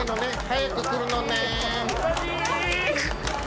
早く来るのねん。